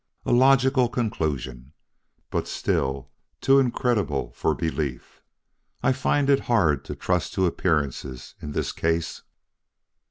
"A logical conclusion; but still too incredible for belief. I find it hard to trust to appearances in this case."